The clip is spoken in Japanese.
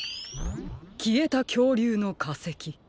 きえたきょうりゅうのかせき。